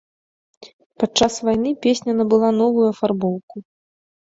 Падчас вайны песня набыла новую афарбоўку.